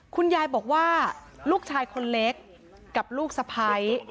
คุณยายบอกว่าลูกชายคนเล็กกับลูกสะพ้าย